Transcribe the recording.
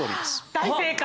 大正解。